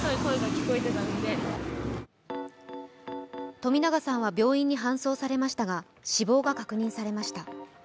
冨永さんは病院に搬送されましたが、死亡が確認されました。